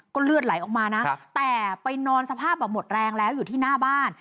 เลือดไหลออกมานะแต่ไปนอนสภาพแบบหมดแรงแล้วอยู่ที่หน้าบ้าน